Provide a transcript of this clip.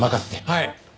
はい。